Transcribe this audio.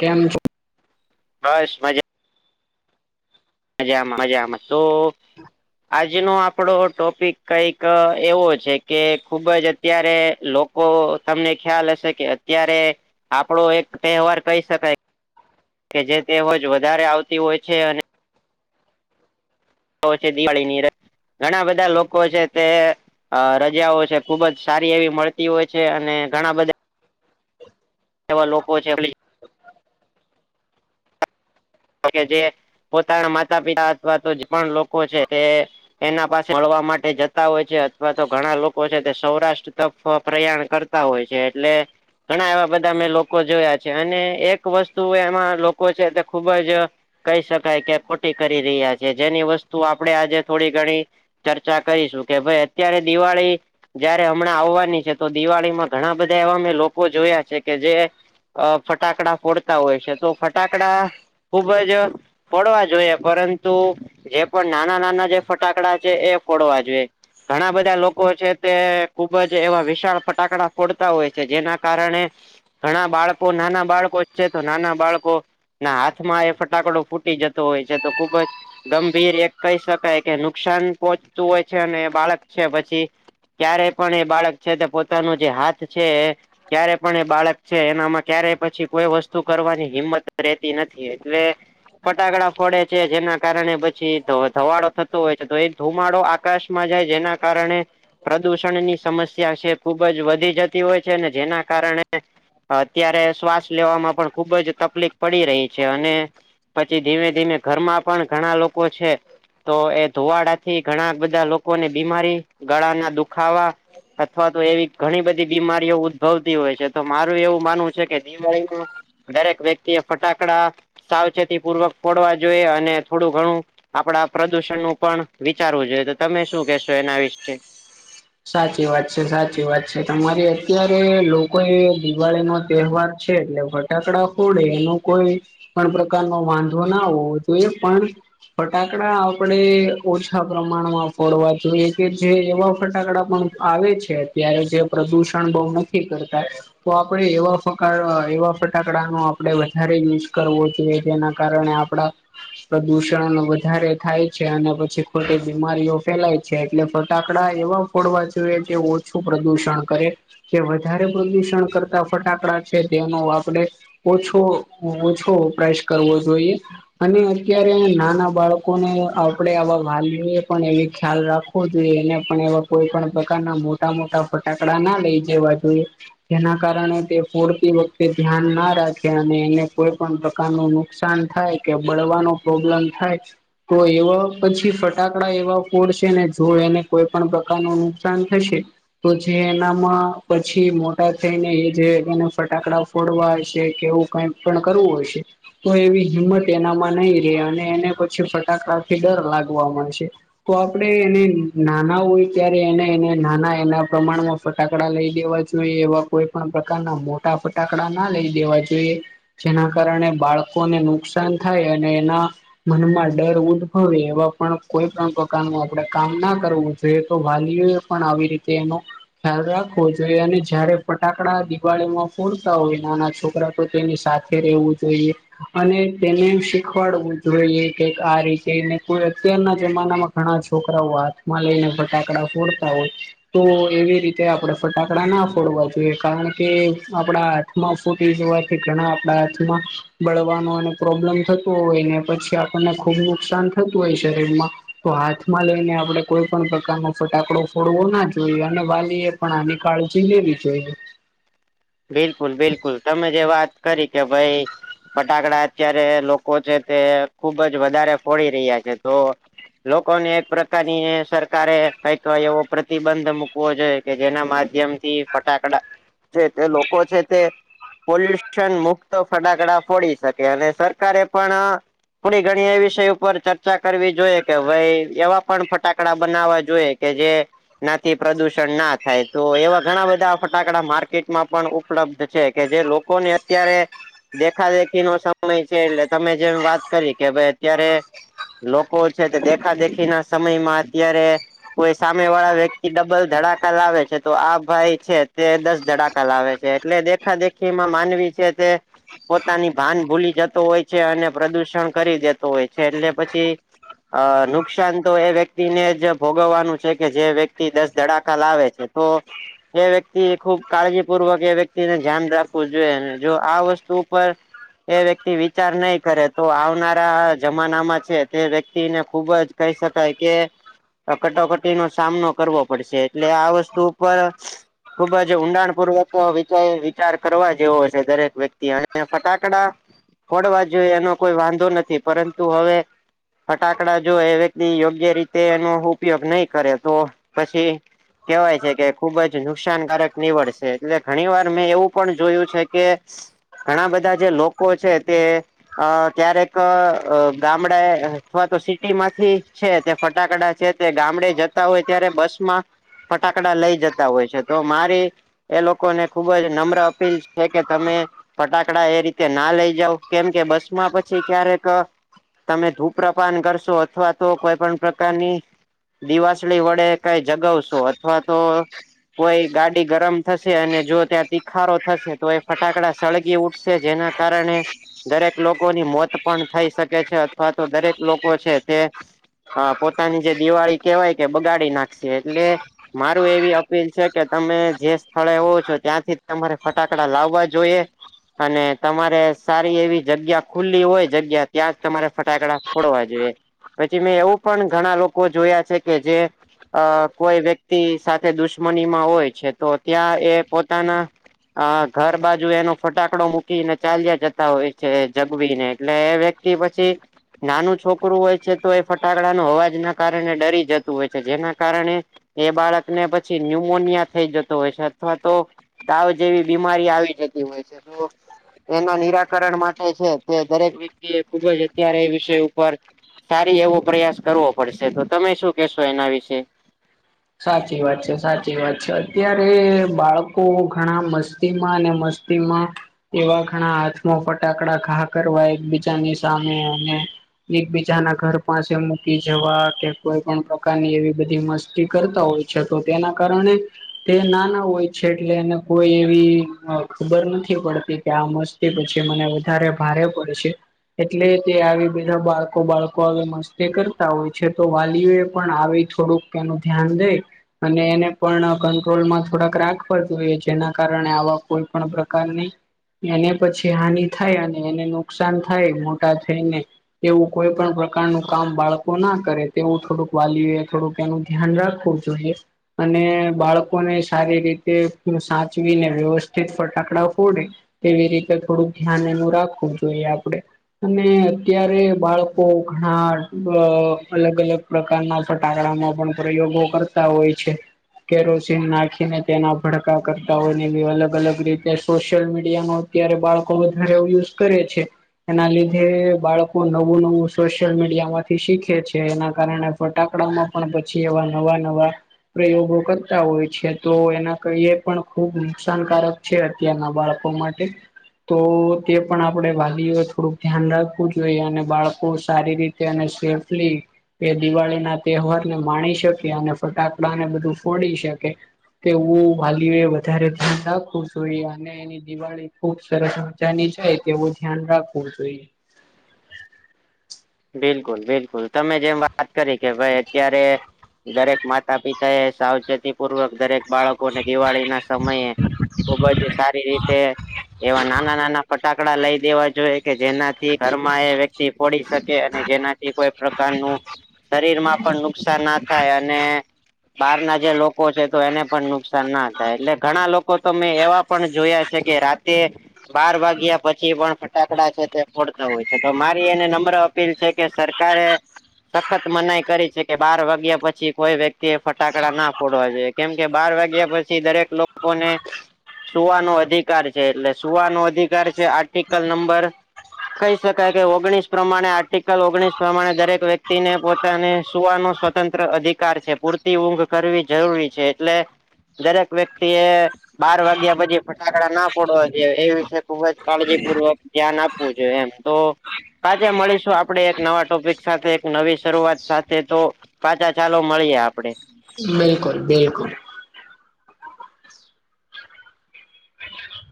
કેમ છો? બસ, મજા. મજામાં, મજામાં તો આજનો આપણો ટોપિક કઈક એવો છે કે, ખુબ જ અત્યારે લો લોકો, તમને ખ્યાલ હશે કે અત્યારે આપણો એક તહેવાર કહી શકાય. કે જે તે હોજ વધારે આવતી હોય છે અને છે દિવાળીની, ઘણા બધા લોકો છે તે અ રજાઓ છે, ખુબ જ સારી એવી મળતી હોય છે અને ઘણા બધા એવા લોકો છે, એબલી કે જે પોતાના માતા-પિતા અથવા તો જે પણ લોકો છે, તે એના પાસે મળવા માટે જતા હોય છે, અથવા તો ઘણા લોકો છે, તે સૌરાષ્ટ્ર તરફ પ્રયાણ કરતા હોય છે, એટલે ઘણા એવા બધા મેં લોકો જોયા છે, અને એક વસ્તુ એમાં, લોકો છે. ખુબ જ કહીં શકાય કે ખોટી કરી રહ્યા છે, જેની વસ્તુ આપણેે આજે થોડી ઘણી ચર્ચા કરીશું કે, ભાઈ, અત્યારે દિવાળી. જયારે હમણાં આવવાની છે, તો દિવાળી માં ઘણા બધા એવા મે લોકો જોયા છે કે જે અ, ફટાકડા ફોડતા હોય છે, તો ફટાકડા ખુબ જ ફડવા જોઈએ, પરંતુ જે પણ નાના-નાના જે ફટાકડા છે, એ ફોડવા જોઈએ. ઘણા બધા લોકો છે, તે ખુબ જ એવા વિશાળ ફટાકડા ફોડતા હોય છે, જેના કારણે ઘણા બાળકો, નાના બાળકો છે, તો નાના બાળકો ના હાથ હ, માં એ ફટાકડો ફૂટી જતો હોય છે, તો ખુબ જ ગંભીર, એક કહીં શકાય કે નુકસાન પોહચતું હોય છે, અને બાળક છે પછી ક્યારે પણ એ બાળક છે, તે પોતાનું જે હાથ છે. ક્યારે પણ એ બાળક છે, એનામાં ક્યારે પછી કોઈ વસ્તુ કરવાની હિંમત રેહતી નથી. એટલે ફટાકડા ફોડે છે, જેના કારણે પછી ધુવાડો થતો હોય છે, તો એ ધુમાડો આકાશમાં જાય, જેના કારણે પ્રદૂષણની સમસ્યા છે, ખુબ જ વધી જતી હોય છે, અને જેના કારણે અત્યારે શ્વાસ લેવામાં પણ ખુબ જ તકલીફ પડી તી. છે, અને પછી ધીમે ધીમે ઘરમાં પણ ઘણા લોકો છે. તો એ ધોવાડાથી ઘણા બધા લોકોને બીમારી, ગળા ના દુખ ખાવા અથવા તો એવી ઘણી બધી બીમારીઓ ઉદ્દભવતી હોય છે, તો મારું એવું માનવું છે કે દિવાળીમાં દરેક વ્યક્તિ એ ફટાકડા સાવચેતી પૂર્વક ફોડવા જોઈએ અને થોડું ઘણું આપડા પ્રદુષણ નું પણ વિચારવું જોઈએ, તો તમે શું કેશો એના વિશે? સાચી વાત છે, સાચી વાત છે તમારી. અત્યારે લોકો એ દિવાળી નો તહેવાર છે, એટલે ફટાકડા ફોડે, એનું કોઈ પણ પ્રકાર નો વાંધો ના હોઈ, તો એ પણ ફટાકડા આપણે ઓછા પ્રમાણમાં ફોડવા જોઈએ કે જે એવા ફટાકડા પણ આવે છે અત્યારે જે પ્રદુષણ બહુ નથી કરતા તો આપણે એવા ફકા એવા ફટાકડાનો આપણે વધારે યુઝ કરવો જોઈએ જેના કારણે આપડા પ્રદુષણ વધારે થાય છે અને પછી ખોટી બીમારીઓ ફેલાય છે એટલે ફટાકડા એવા ફોડવા જોઈએ જે ઓછું પ્રદુષણ કરે જે વધારે પ્રદુષણ કરતા ફટાકડા છે તેનો આપડે ઓછો ઓછો વપરાશ કરવો જોઈએ અને અત્યારે નાના બાળકોને આપણેે આવા વાલીએ પણ એ ખ્યાલ રાખવો જો ને પણ એવા કોઈ પણ પ્રકારના મોટા મોટા ફટાકડા ના લઈ જવા જોઈએ જેના કારણે તે ફોડતી વખતે ધ્યાન ના રાખે અને એને કોઈ પણ પ્રકારનું નુકસાન થાય કે બળવાનો પ્રોબ્લેમ થાય તો એવા પછી ફટાકડા એવા ફોડશે ને જો એને કોઈ પણ પ્રકાર ન નુકસાન થશે તો જે એનામાં પછી મોટા થઈને એ જેને ફટાકડા ફોડવા હશે કે એવું કંઈ પણ કરવું હશે તો એવી હિંમત એનામાં નહી રે અને એને પછી ફટાકડાથી ડર લાગવા મડશે તો આપડે એને નાના હોય ત્યારે એને એને નાના એના પ્રમાણમાં ફટાકડા લઈ દેવા જોઈએ એવા કોઈ પણ પ્રકારના મોટા ફટાકડા ના લઈ દેવા જોઈએ જેના કારણે બાળકોને નુકસાન થાય અને એના મનમાં ડર ઉદભવે એવા પણ કોઈ પણ પ્રકારનું આપણેે કામ ના કરવું જોઈએ તો વાલીઓ એ પણ આવી રીતે એનો ખ્યાલ રાખવો જોઈએ અને જયારે ફટાકડા દિવાળી માં ફોડતા હોય નાના છોકરા તો તેની સાથે રહેવું જોઈએ અને તેને શીખવાડવું જોઈએ કે આ રીતે એ કોઈ અત્યારના જમાનામાં ઘણા છોકરાઓ હાથમાં લઈને ફટાકડા ફોડતા હોય તો એવી રીતે આપડે ફટાકડા ના ફોડવા જોઈએ કારણ કે આપડા હાથમાં ફૂટી જવાથી ઘણા આપડા હાથમાં બળવાનો અને પ્રોબ્લેમ થતો હોય ને પછી આપને ખુબ નુકસાન થતું હોય શરીર માં તો હાથ માં લઈને આપણે કોઈ પણ પ્રકાર ન ફટાકડો ફોડવો ના જોઈએ અને વાલી એ પણ આની કાળજી લેવી જોઈએ બિલકુલ બિલકુલ તમે જે વાત કરી કે ભાઈ ફટાકડા અત્યારે લોકો છે તે ખુબ જ વધારે ફોડી રહ્યા છે તો લોકો ને એક પ્રકારની સરકારે કઈક એવો પ્રતિબંધ મૂકવો જોઈ કે જેના માધ્યમ ફટાકડા જે તે લોકો છે તે પોલ્યુશન મુક્ત ફટાકડા ફોડી શકે અને સરકારે પણ થોડી ઘણી એ વિષય ઉપર ચર્ચા કરવી જોઈએ કે ભાઈ એવા પણ ફટાકડા બનાવવા જોઈએ કે જે નાથી પ્રદુષણ ના થાય તો એવા ઘણા બધા ફટાકડા માર્ ટ પણ ઉપલબ્ધ છે કે જે લોકોને અત્યારે દેખા દેખી નો સમય છે એટલે તમે જેમ વાત કરી કે ભાઈ અત્યારે લોકો છે તે દેખા દેખી ના સમયમાં અત્યારે કોઈ સામે વાળા વ્યક્તિ ડબલ ધડાકા લાવે છે તો આ ભાઈ છે તે દસ ધડાકા લાવે છે એટલે દેખા દેખીમાં માનવી છે કે પોતાની ભાન ભૂલી જતો હોય છે અને પ્રદૂષણ કરી દેતો હોય છે એટલે પછી અ નુકસાન તો એ વ્યક્તિને જ ભોગવવાનું છે કે જે વ્યક્તિ દસ ધડાકા લાવે છે હ જે વ્યક્તિ ખૂબ કાળજીપૂર્વક એ વ્યક્તિને ધ્યાન રાખવું જોઈએ જો આ વસ્તુ ઉપર એ વ્યક્તિ વિચાર નહી કરે તો આવનારા જમાનામાં છે તે વ્યક્તિને ખુબ જ કહી શકાય કે આ કટોકટી નો સામનો કરવો પડશે એટલે આ વસ્તુ ઉપર ખુબ જ જે ઊંડાણ પૂર્વક વિચ વિચાર કરવા જેવો છે દરેક વ્યક્તિ અને ફટાકડા ફોડવા જોઈએ એનો કોઈ વાંધો નથી પરંતુ હવે ફટાકડા જો એ વ્યક્તિ યોગ્ય રીતે એનો ઉપયોગ નહીં કરે તો પછી કવાય છે કે ખુબ જ નુકસાનકારક નીવડશે એટલે ઘણી વાર મેં એવું પણ જોયું છે કે ઘણા બધા જે લોકો છે તે અ ક્યારેક અ ગામડા અથવા તો સિટી માંથી છે તે ફટાકડા છે તે ગામડે જતા હોય ત્યારે બસ માં ફટાકડા લઈ જતા હોય છે તો મારી એ લોકોને ખુબ જ નમ્ર અપીલ છે કે તમે ફટાકડા એ રીતે ના લઈ જાવ કેમ કે બસ માં પછી ક્યારેક તમે ધૂપ્રપાન કરશો અથવા તો કોઈ પણ પ્રકારની દિવાસળી વડે કઈ જગાવશો અથવા તો કોઈ ગાડ તે ગરમ થશે અને જો ત્યાં તીખારો થશે તો એ ફટાકડા સળગી ઉઠશે જેના કારણે દરેક લોકોની મોત પણ થઈ શકે છે અથવા તો દરેક લોકો છે તે હા પોતાની જે દિવાળી કેહેવાય કે બગાડી નાખશે એટલે મારું એવી અપીલ છે કે તમે જે સ્થળે હોવો છો ત્યાંથી જ તમારે ફટાકડા લાવવા જોઈએ અને તમારે સારી એવી જગ્યા ખુલ્લી હોય જગ્યા ત્યાં જ તમારે ફટાકડા ફોડવા જોઈએ. પછી મેં એવું પણ ઘણા લોકો જોયા છે કે જે અ કોઈ વ્યક્તિ સાથે દુશ્મનીમાં હોય છે તો ત્યાં એ પોતાના અ ઘર બાજુ એનો ફટાકડો મૂકીને ચાલ્યા જતા હોય છે જગવી ને એટલે એ વ્યક્ત ક્તિ પછી નાનું છોકરું હોય છે તો એ ફટાકડા નનો અવાજ ના કારણે ડરી જતું હોય છે જેના કારણે એ બાળકને પછી ન્યુમોનિયા થઈ જતો હોય છે અથવા તો તાવ જેવી બીમારી આવી જતી હોય છે તો એના નિરાકરણ માટે છે તે દરેક વ્યક્તિ એ ખુબ જ અત્યારે એ વિષય ઉપર સારી એવો પ્રયાસ કરવો પડશે તો તમે શું કેશો એના વિશે. સાચી વાત છે સાચી વાત છે અત્યારે બાળકો ઘણા મસ્તી માં અને મસ્ત સ્તીમાં એવા ઘણા હાથમાં ફટાકડા ઘા કરવા એકબીજાની સામે અને એકબીજા ના ઘર પાસે મૂકી જવા કે કોઈ પણ પ્રકારની એવી બધી મસ્તી કરતા હોય છે તો તેના કારણે તે નાના હોય છે એટલે એને કોઈ એવી અ ખબર નથી પડતી કે આ મસ્ત કે પછી મને વધારે ભારે પડે છે. એટલે તે આવી બધા બાળકો બાળકો આવી મસ્તી કરતા હોય છે તો વાલીઓ એ પણ આવી થોડુંક એનું ધ્યાન દે અને એને પણ કંટ્રોલમાં થોડાક રાખવા જોઈએ જેના કારણે આવા કોઈ પણ પ્રકારની એને પછી હાનિ થાય અને એને નુકસાન થાય મોટા થઈને એવું કોઈ પણ પ્રકારનું કામ બાળકો ના કરે તેવું થોડુંક વાલીઓ એ થોડુંક એનું ધ્યાન રાખવું જોઈએ. અને બાળકોને સારી રીતે સાચવીને વ્યવસ્થિત ફટાકડા ફોડે એવી રીતે થોડુંક ધ્યાન એનું રાખવું જોઈએ આપડે. અને અત્યારે બાળકો ઘણા બ અલગ અલગ પ્રકારના ફટાકડામાં પણ પ્રયોગો કરતા હોય છે. કેરોસીન નાખીને તેના ભડકા કરતા હોય ને એવી અલગ અલગ રીતે સોશિયલ મીડિયામાં અત્યારે બાળકો વધારે એવું યુઝ કરે છે. એના લીધે બાળકો નવું નવું સોશિયલ મીડિયા માંથી શીખે છે એના કારણે ફટાકડા માં પણ પછી એવા નવા નવા પ્રયોગો કરતા હોય છે તો એના કઈએ પણ ખુબ નુકસાનકારક છે અત્યારના બાળકો માટે. તો તે પણ આપણે વાલીઓ થોડુંક ધ્યાન રાખવું જોઈએ અને બાળકો સારી રીત તા અને સેફલી એ દિવાળીના તહેવાર. નેમાણી શકે અને ફટાકડા ને બધું ફોડી શકે. તેવું વાલીઓ એ વધારે ધ્યાન રાખવું જોઈ અને નેદિવાળી ખુબ સરસ મજાની જાય તેવું ધ્યાન રાખવું જોઈએ. બિલકુલ બિલકુલ તમે જેમ વાત કરી કે ભાઈ અત્યારે. દરેક માતા પિતા એ સાવચેતી પૂર્વક દરેક બાળકો ને દિવાળીના સમયે ખુબજ સારી રીતે એવા નાના નાના ફટાકડા લઈ દેવા જોઈએ કે જેનાથી ઘરમાં એ વ્યક્તિ ફોડી શકે અને જેનાથી કોઈ પ્રકારનું શરીર માં પણ નુકસાન ના થાય અને બારના જે લોકો છે, તો એને પણ નુકસાન ના થાય, એટલે ઘણા લોકો તમે એવા પણ જોયા છે, કે રાતે બાર વાગ્યા પછી પણ ફટાકડા છે તે ફોડતા હોય છે, તો મારી એને નમ મ્રર અપીલ છે, કે સરકારે સખત મનાઈ કરી છે, કે બાર વાગ્યા પછી કોઈ વ્યક્તિ એ ફટાકડા ના ફોડવા જોઈ. કેમકે બાર વાગ્યા પછી દરેક લોકોને સુવાનો અધિકાર છે, એટલે સુવાનો અધિકાર છે, આર્ટિકલ નંબર. કહી શકાય કે ઓગણીસ. પ્રમાણે આર્ટિકલ ઓગણીસ પ્રમાણે દરેક વ્યક્તિને પોતાને સુવાનો સ્વતંત્ર અધિકાર છે. પૂર તીઊંઘ કરવી જરૂરી છે, એટલે દરેક વ્યક્તિ એ બાર વાગ્યા પછી ફટાકડા ના ફોડવા જોએ એ વિષે ખુબ જ કાળજી પૂર્વક ધ્યાન આપવું જોઈએ, એમ તો આજે મળીશું આપણે એક નવા ટોપિક સાથે એક નવી શરૂઆત સાથે તો પાછા ચાલો મળીયે આપડે. બિલકુલ બિલકુલ.